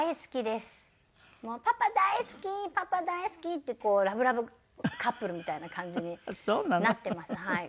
もう「パパ大好きパパ大好き」ってラブラブカップルみたいな感じになっています。